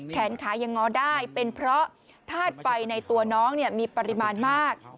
แขนขายังง้อได้เป็นเพราะธาตุไฟในตัวน้องมีปริมาณมาก